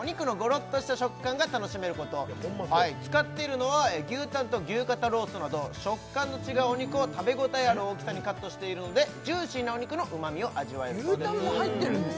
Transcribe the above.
お肉のゴロッとした食感が楽しめること使っているのは牛タンと牛肩ロースなど食感の違うお肉を食べ応えある大きさにカットしているのでジューシーなお肉の旨みを味わえる牛タンも入ってるんですか